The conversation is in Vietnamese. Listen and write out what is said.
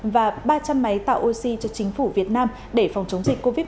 và ba trăm linh máy tạo oxy cho chính phủ việt nam để phòng chống dịch covid một mươi chín